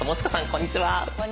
こんにちは。